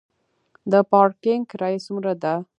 د پارکینګ کرایه څومره ده؟